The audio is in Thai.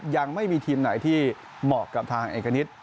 ยังไม่มีทีมไหนที่เหมาะกับทางเอกณิต